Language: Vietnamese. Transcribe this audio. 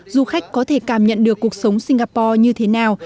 du khách có thể cảm nhận được cuộc sống singapore như thế nào